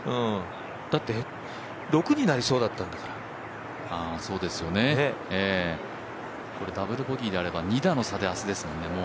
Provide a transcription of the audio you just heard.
だって６になりそうだったんだからダブルボギーであれば２打の差ですからね。